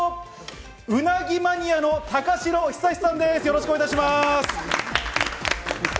うなぎマニアの高城久さんです。